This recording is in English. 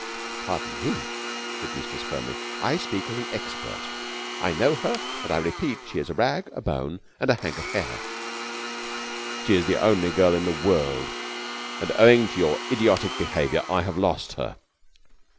"Pardon me," said Eustace firmly, "I speak as an expert. I know her and I repeat, she is a rag and a bone and a hank of hair!" "She is the only girl in the world, and owing to your idiotic behaviour I have lost her."